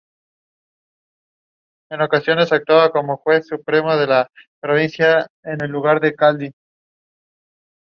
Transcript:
Se cree que la función de estas fibras es inhibidora.